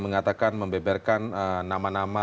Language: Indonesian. mengatakan membeberkan nama nama